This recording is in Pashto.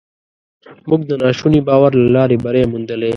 موږ د ناشوني باور له لارې بری موندلی.